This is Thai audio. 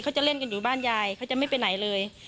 มาที่บ้านไม่เจอเลย